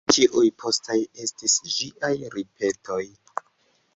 Ĉiuj postaj estis ĝiaj ripetoj.